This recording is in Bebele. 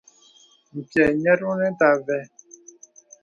M̀pyɛ̌ nyɛ̄t onə nte avə.